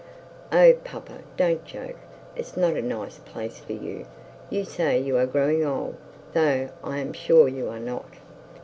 'Oh, papa, don't joke. It's not a nice place for you. You say you are growing old, though I am sure you are not.'